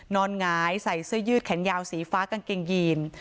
หงายใส่เสื้อยืดแขนยาวสีฟ้ากางเกงยีน